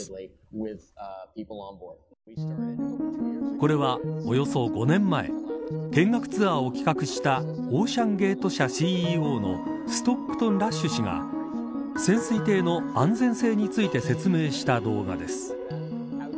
これは、およそ５年前見学ツアーを企画したオーシャンゲート社ＣＥＯのストックトン・ラッシュ氏が潜水艇の安全性について説明した動画です。